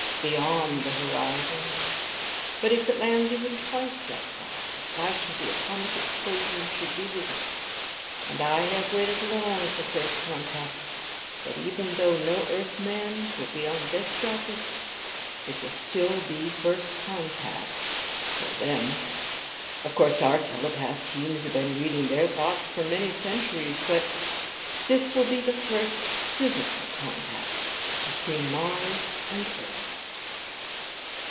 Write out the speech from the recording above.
Beyond the horizon. But if it lands even twice that far the flash of the atomic explosion should be visible. And I have waited long for first contact. For even though no Earthman will be on that rocket, it will still be first contact for them. Of course our telepath teams have been reading their thoughts for many centuries, but this will be the first physical contact between Mars and Earth."